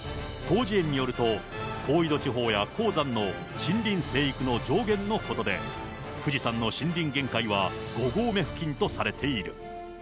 広辞苑によると、高緯度地方や高山の森林生育の上限のことで、富士山の森林限界は、五合目付近とされている。